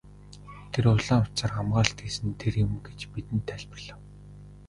Тэр улаан утсаар хамгаалалт хийсэн нь тэр юм гэж бидэнд тайлбарлав.